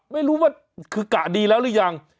ไม่รู้ว่าคือกะดีแล้วหรือยัง